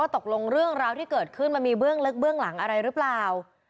ตกลงเรื่องราวที่เกิดขึ้นมันมีเบื้องลึกเบื้องหลังอะไรหรือเปล่า